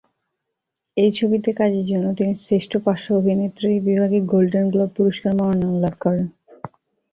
এই ছবিতে কাজের জন্য তিনি শ্রেষ্ঠ পার্শ্ব অভিনেত্রী বিভাগে গোল্ডেন গ্লোব পুরস্কারের মনোনয়ন লাভ করেন।